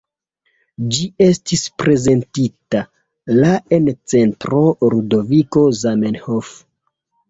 Ĝi estis prezentita la en Centro Ludoviko Zamenhof.